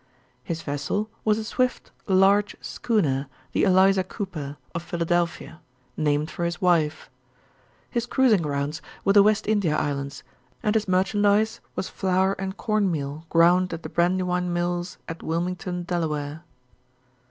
His vessel was a swift, large schooner, the Eliza Cooper, of Philadelphia, named for his wife. His cruising grounds were the West India Islands, and his merchandise was flour and corn meal ground at the Brandywine Mills at Wilmington, Delaware.